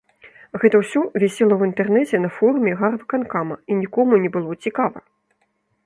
Гэта ўсё вісела ў інтэрнэце на форуме гарвыканкама, і нікому не было цікава.